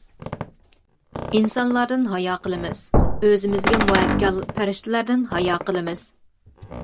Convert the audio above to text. ئىنسانلاردىن ھايا قىلىمىز، ئۆزىمىزگە مۇئەككەل پەرىشتىلەردىن ھايا قىلىمىز.